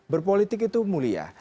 berpolitik itu mulia